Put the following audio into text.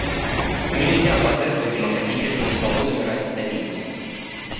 Нельзя пожертвовать демократическими свободами ради стабильности.